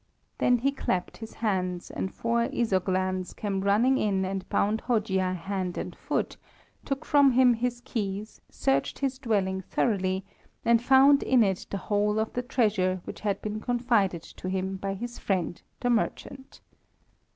Then he clapped his hands, and four Izoglans came running in and bound Hojia hand and foot, took from him his keys, searched his dwelling thoroughly, and found in it the whole of the treasure which had been confided to him by his friend the merchant.